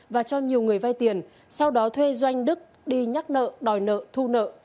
và cho nhiều người vay tiền sau đó thuê doanh đức đi nhắc nợ đòi nợ thu nợ